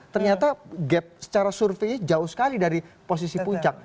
ternyata gap secara surveinya jauh sekali dari posisi puncak